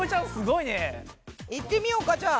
いってみようかじゃあ。